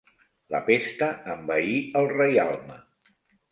La pesta envaí el reialme.